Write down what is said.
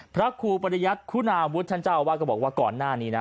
พระครูปริยัติคุณาวุฒิท่านเจ้าอาวาสก็บอกว่าก่อนหน้านี้นะ